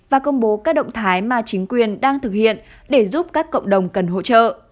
và công bố các động thái mà chính quyền đang thực hiện để giúp các cộng đồng cần hỗ trợ